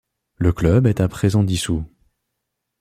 Le club est à présent dissous.